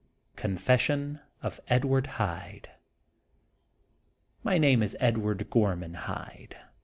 CONFESSION OF EDWARD HYDE. My name is Edward Gorman Hyde.